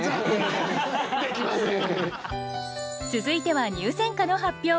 続いては入選歌の発表。